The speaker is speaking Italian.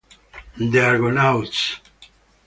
The Argonauts